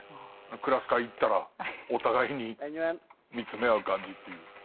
クラス会行ったらお互いに見つめ合う感じっていう。